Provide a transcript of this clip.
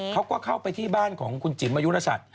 เขาก็เข้าไปที่บ้านของคุณจิ๋มอายุรสัก